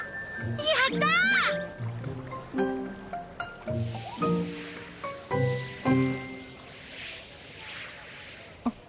やった！あっ。